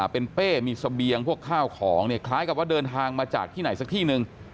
เป็นเป้มีเสบียงพวกข้าวของเนี่ยคล้ายกับว่าเดินทางมาจากที่ไหนสักที่หนึ่ง